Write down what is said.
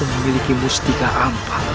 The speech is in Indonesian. bagaimana anda melangkuk